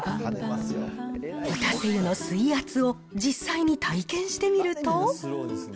打たせ湯の水圧を実際に体験してみると。